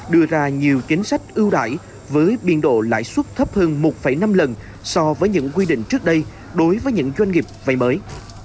đưa ra nhiều chính sách ưu đại với biên độ lãi suất thấp hơn một năm lần so với những quy định trước đây đối với những doanh nghiệp vay mới